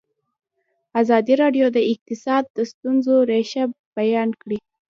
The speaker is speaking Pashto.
ازادي راډیو د اقتصاد د ستونزو رېښه بیان کړې.